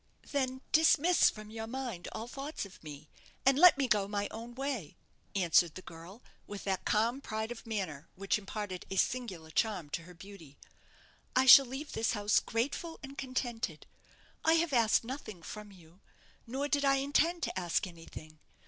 "Then dismiss from your mind all thoughts of me, and let me go my own way," answered the girl, with that calm pride of manner which imparted a singular charm to her beauty. "I shall leave this house grateful and contented; I have asked nothing from you, nor did I intend to ask anything.